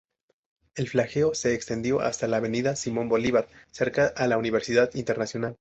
El flagelo se extendió hasta la avenida Simón Bolívar, cerca a la Universidad Internacional.